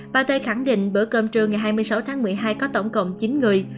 bà tê khẳng định bữa cơm trưa ngày hai mươi sáu tháng một mươi hai có tổng cộng chín người